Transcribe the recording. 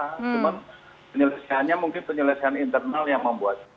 cuma penyelesaiannya mungkin penyelesaian internal yang membuat